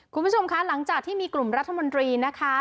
คุณผู้ชมคะหลังจากที่มีกลุ่มรัฐมนตรีนะคะ